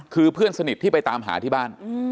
คือเพื่อนสนิทที่ไปตามหาที่บ้าน